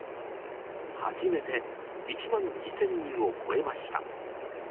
初めて１万２０００人を超えました。